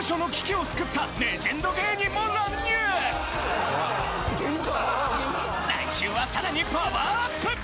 来週はさらにパワーアップ！